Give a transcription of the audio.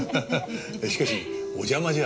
しかしお邪魔じゃ？